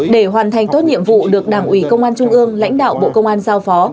để hoàn thành tốt nhiệm vụ được đảng ủy công an trung ương lãnh đạo bộ công an giao phó